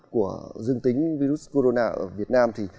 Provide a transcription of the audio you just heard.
của dương tính virus corona ở việt nam thì